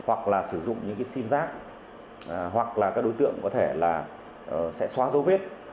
hoặc là sử dụng những sim giác hoặc là các đối tượng có thể sẽ xóa dấu vết